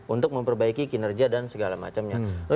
untuk memperbaiki kinerja dan segala macamnya